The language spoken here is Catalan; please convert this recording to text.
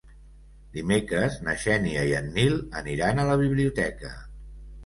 Dimecres na Xènia i en Nil aniran a la biblioteca.